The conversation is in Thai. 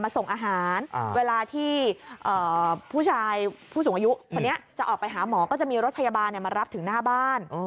ผู้สูงอายุคนนี้จะออกไปหาหมอก็จะมีรถพยาบาลมารับถึงหน้าบ้าน